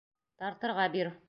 Тартырға бир.